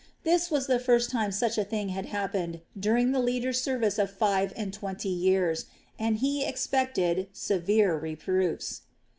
This was the first time such a thing had happened during the leader's service of five and twenty years, and he expected severe reproofs.